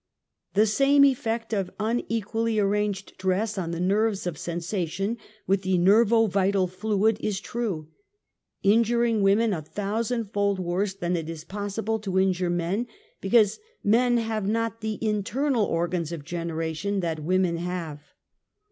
The same effect of unc'^ually arrangtHl dress on the nerves of sensatiou, with the nervo Autal iiuiil is true, injuring women a thousand foLl worse than it as possible to injure men, l:)ecau:?e men have not the internal organs of geueration that women have.